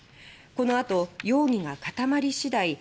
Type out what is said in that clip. このあと容疑が固まり次第